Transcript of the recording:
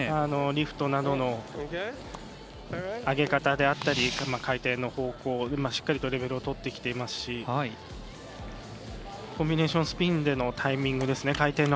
リフトなどの上げ方であったり回転の方向、しっかりとレベルをとってきていますしコンビネーションスピンでのタイミングですね